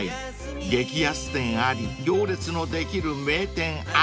［激安店あり行列のできる名店あり］